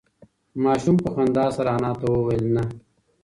ماشوم په خندا سره انا ته وویل نه.